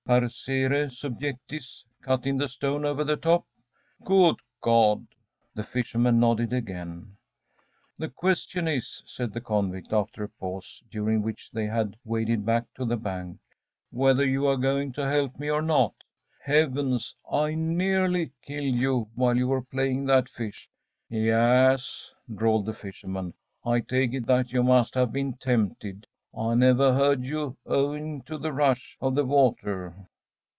Parcere subjectis, cut in the stone over the top. Good God!‚ÄĚ The fisherman nodded again. “The question is,‚ÄĚ said the convict, after a pause, during which they had waded back to the bank, “whether you are going to help me or not? Heavens! I NEARLY killed you while you were playing that fish.‚ÄĚ “Ya as,‚ÄĚ drawled the fisherman. “I take it that you must have been tempted. I never heard you, owing to the rush of the water.